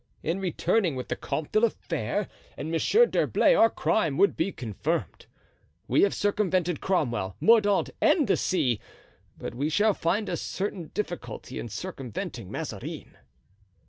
In returning with the Comte de la Fere and Monsieur d'Herblay our crime would be confirmed. We have circumvented Cromwell, Mordaunt, and the sea, but we shall find a certain difficulty in circumventing Mazarin."